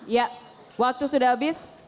ya waktu sudah habis